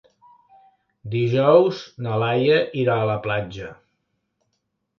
Dijous na Laia irà a la platja.